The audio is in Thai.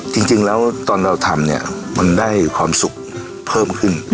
จริงแล้วตอนเราทำเนี่ยมันได้ความสุขเพิ่มขึ้น